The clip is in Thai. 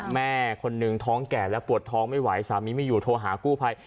แม่คนหนึ่งท้องแก่และปวดท้องไม่ไหวสามีไม่อยู่โทรหากู้ภัย